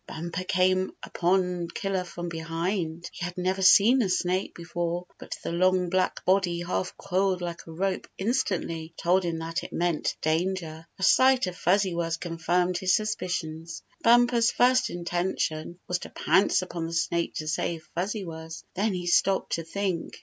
Bumper came upon Killer from behind. He had never seen a snake before, but the long black body half coiled like a rope instantly told him that it meant danger. A sight of Fuzzy Wuzz confirmed his suspicions. Bumper's first inten tion was to pounce upon the snake to save Fuzzy Wuzz. Then he stopped to think.